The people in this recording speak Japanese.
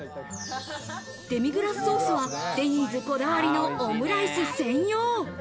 デミグラスソースはデニーズこだわりのオムライス専用。